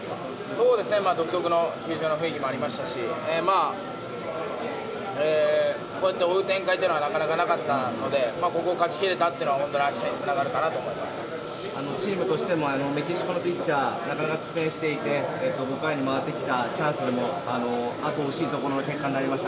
そうですね、独特の球場の雰囲気もありましたし、こうやって追う展開っていうのはなかなかなかったので、ここを勝ちきれたというのは本当にあしたにつながるかなと思いまチームとしても、メキシコのピッチャー、なかなか苦戦していて、５回に回ってきたチャンスでも、惜しいというところの展開になりました。